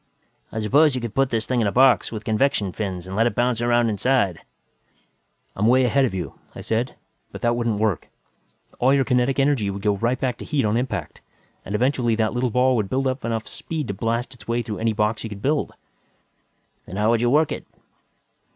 "I suppose you could put this thing in a box, with convection fins, and let it bounce around inside " "I'm way ahead of you," I said. "But that wouldn't work. All your kinetic energy would go right back to heat, on impact and eventually that little ball would build up enough speed to blast its way through any box you could build." "Then how would you work it?"